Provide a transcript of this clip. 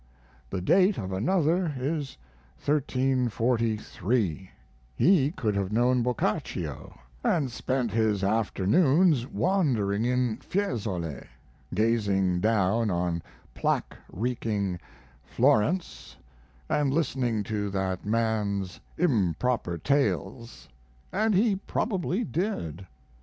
The date of another is 1343 he could have known Boccaccio & spent his afternoons wandering in Fiesole, gazing down on plague reeking Florence & listening to that man's improper tales, & he probably did.